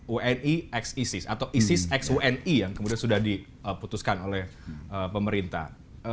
wni x isis atau isis x wni yang kemudian sudah diputuskan oleh pemerintah